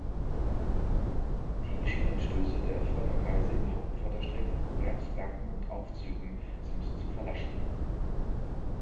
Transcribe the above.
Die Schienenstöße der Fördergleise in Hauptförderstrecken, Bremsbergen und Aufzügen sind zu verlaschen.